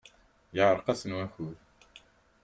Yeɛreq-asen wakud.